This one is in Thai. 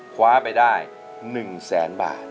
คว้าไปได้หนึ่งแสนบาท